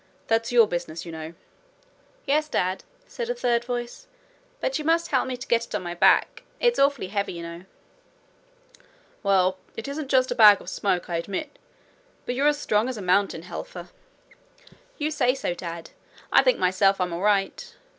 That's your business, you know.' 'Yes, dad,' said a third voice. 'But you must help me to get it on my back. It's awfully heavy, you know.' 'Well, it isn't just a bag of smoke, I admit. But you're as strong as a mountain, Helfer.' 'You say so, dad. I think myself I'm all right.